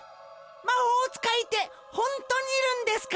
まほうつかいってほんとにいるんですか！？